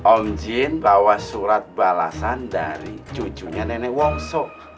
on jin bawa surat balasan dari cucunya nenek wongso